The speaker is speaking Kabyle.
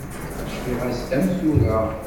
Cfiɣ-as-d am tura.